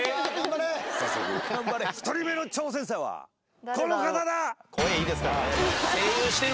１人目の挑戦者はこの方だ！